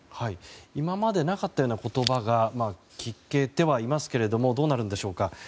今までなかったような言葉が聞けてはいますけれどもどうなるんでしょうか。